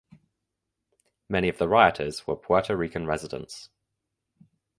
Many of the rioters were Puerto Rican residents.